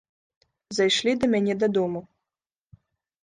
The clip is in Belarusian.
Зайшлі да мяне дадому.